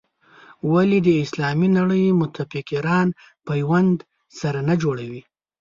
ولې د اسلامي نړۍ متفکران پیوند سره نه جوړوي.